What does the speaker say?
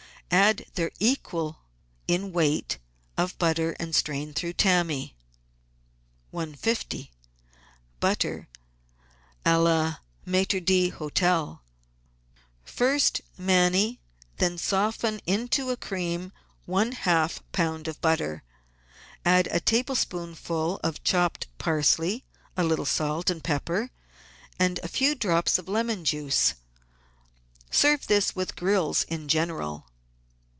Add their equal in weight of butter and strain through tarnmy. 150— BUTTER A LA MAiTRE D'HOTEL First manie and then soften into a cream one half lb. of butter. Add a tablespoonful of chopped parsley, a little salt and pepper, and a few drops of lemon juice. Serve this v ith grills in general.